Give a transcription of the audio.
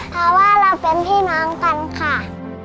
เพราะว่าเราเป็นพี่น้องกันค่ะ